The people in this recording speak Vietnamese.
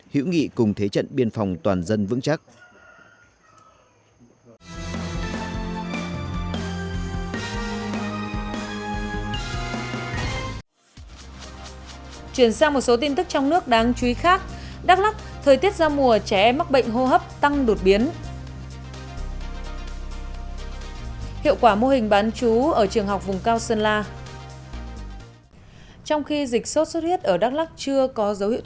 hữu nghị cùng thế trận biên phòng toàn dân vững chắc